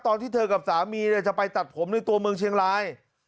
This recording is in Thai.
ตอนที่เธอกับสามีจะไปตัดผมในตัวเมืองเชียงราย